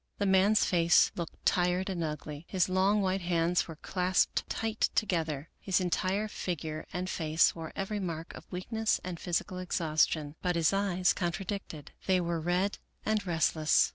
The man's face looked tired and ugly. His long white hands were clasped tight together. His entire figure and face wore every mark of weakness and physical ex haustion ; but his eyes contradicted. They were red and restless.